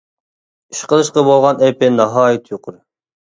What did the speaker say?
ئىش قىلىشقا بولغان ئېپى ناھايىتى يۇقىرى.